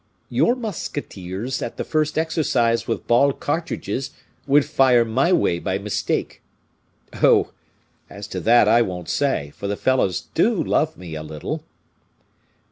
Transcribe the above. "Your musketeers, at the first exercise with ball cartridges, would fire my way, by mistake." "Oh, as to that I won't say; for the fellows do love me a little."